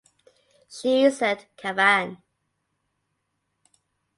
She said Cavan.